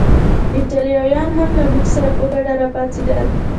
ایټالویان هم له موږ سره په ګډه راپاڅېدل.